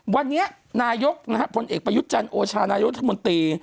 วันนี้นายกพลเอกประยุจรรย์โอชานายกรัฐมนตรี